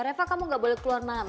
reva kamu nggak boleh keluar malam